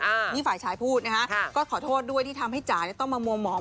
อันนี้ฝ่ายชายพูดนะฮะก็ขอโทษด้วยที่ทำให้จ๋าเนี่ยต้องมามัวหมอง